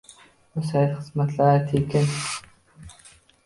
Bu sayt xizmatlari tekin